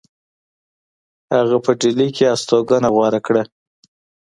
هغه په ډهلی کې هستوګنه غوره کړه.